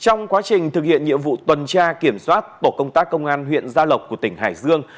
trong quá trình thực hiện nhiệm vụ tuần tra kiểm soát tổ công tác công an huyện gia lộc của tỉnh hải dương